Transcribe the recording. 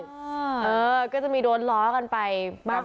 เออก็จะมีโดนล้อกันไปมาก